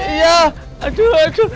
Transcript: iya aduh aduh